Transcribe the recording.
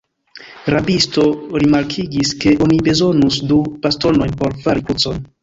Rabisto rimarkigis, ke oni bezonus du bastonojn por fari krucon.